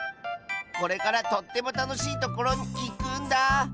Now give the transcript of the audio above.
これからとってもたのしいところにいくんだ！